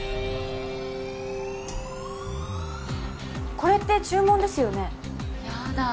これって注文ですよねやだ